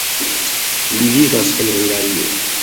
Li vivas en Hungario.